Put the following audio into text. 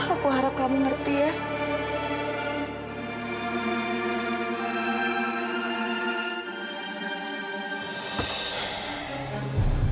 aku berharap itu kamu yang paham